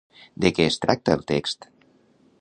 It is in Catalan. De què tracta el text?